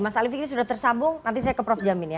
mas ali fikri sudah tersambung nanti saya ke prof jamin ya